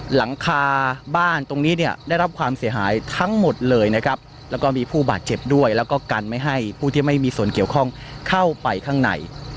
หลังคาบ้านตรงนี้เนี่ยได้รับความเสียหายทั้งหมดเลยนะครับแล้วก็มีผู้บาดเจ็บด้วยแล้วก็กันไม่ให้ผู้ที่ไม่มีส่วนเกี่ยวข้องเข้าไปข้างใน